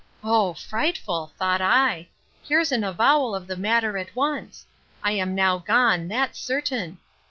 O frightful! thought I; here's an avowal of the matter at once: I am now gone, that's certain.